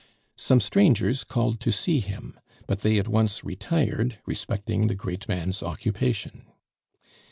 some strangers called to see him; but they at once retired, respecting the great man's occupation.